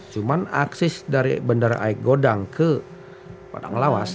cuma akses dari bandara aik godang ke padang lawas